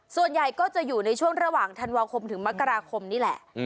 ส่วนใหญ่ก็จะอยู่ในช่วงระหว่างธันวาคมถึงมกราคมนี่แหละ